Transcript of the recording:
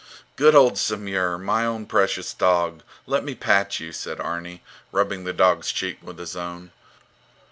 Good old Samur, my own precious dog, let me pat you, said Arni, rubbing the dog's cheek with his own.